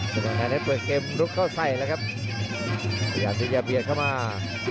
โสดงแดงให้เปลือกเกมลุกเข้าไว้ในใส่ครับสิยงด์ติดฟังเข้ามา